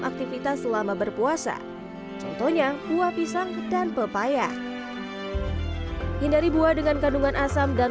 aktivitas selama berpuasa contohnya buah pisang dan pepaya hindari buah dengan kandungan asam dan